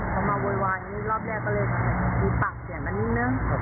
เขามาโวยวายอย่างนี้รอบแรกก็เลยมีตัดเสียงกันนิดนึงนะ